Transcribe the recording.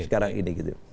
sekarang ini gitu